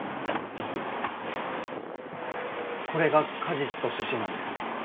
これが果実と種子なんですね。